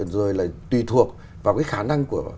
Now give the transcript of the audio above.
rồi là tùy thuộc vào cái khả năng